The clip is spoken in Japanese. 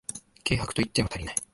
軽薄と言っても足りない